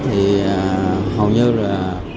thì hầu như là